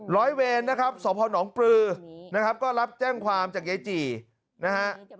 ร้อยเวรนะครับสพนปลือนะครับก็รับแจ้งความจากยายจี่นะฮะ